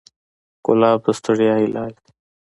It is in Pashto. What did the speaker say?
ګلاب د ستړیا علاج دی.